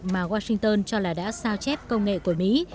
mà washington cho là đã sao chép công nghệ của mỹ